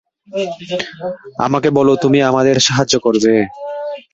আমাকে বলো তুমি আমাদের সাহায্য করবে।